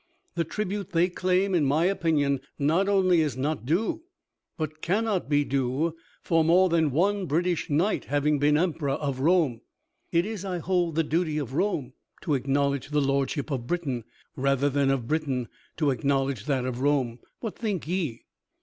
The tribute they claim, in my opinion, not only is not due, but cannot be due; for more than one British knight having been Emperor of Rome, it is, I hold, the duty of Rome to acknowledge the lordship of Britain, rather than of Britain to acknowledge that of Rome. What think ye?"